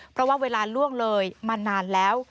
เพราะว่าเวลาล่วงเลยมานานแล้ว